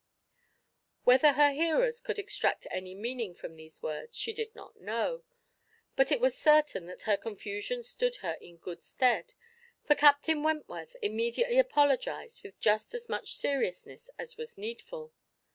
Whether her hearers could extract any meaning from these words, she did not know, but it was certain that her confusion stood her in good stead, for Captain Wentworth immediately apologized with just as much seriousness as was needful.